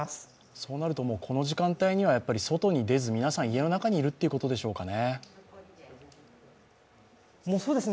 そうなると、この時間帯には外に出ず、皆さん家の中にいるということでしょうかね？